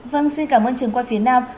vâng xin cảm ơn trường quan phía nam